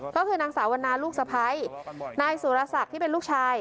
ก็คือนางสาววันนาลูกสะพ้ายนายสุรศักดิ์ที่เป็นลูกชาย